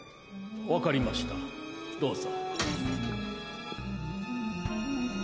分かりましたどうぞ。